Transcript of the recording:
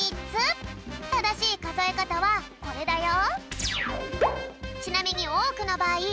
ただしいかぞえかたはこれだよ。